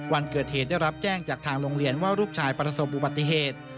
วันเกิดเหตุได้รับแจ้งจากทางโรงเรียนว่าลูกชายประสบอุบัติเหตุ